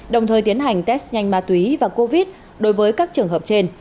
đồng thời tiến hành test nhanh ma túy và covid đối với các trường hợp trên